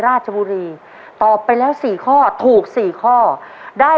หัวหนึ่งหัวหนึ่ง